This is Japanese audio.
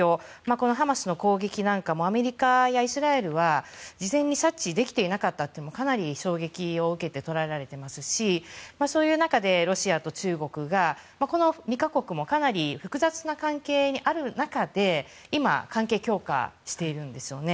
このハマスの攻撃なんかもアメリカやイスラエルは事前に察知できていなかったのもかなり衝撃を受けて捉えられてますしそういう中でロシアと中国がこの２か国もかなり複雑な関係にある中で今関係強化しているんですよね。